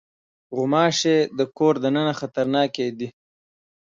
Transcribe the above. غوماشې د کور دننه خطرناکې دي.